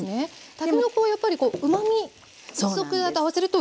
たけのこはやっぱりうまみ食材と合わせるといい？